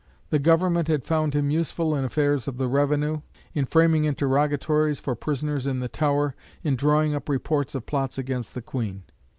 The Government had found him useful in affairs of the revenue, in framing interrogatories for prisoners in the Tower, in drawing up reports of plots against the Queen.